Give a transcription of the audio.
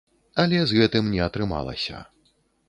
Але з гэтым не атрымалася.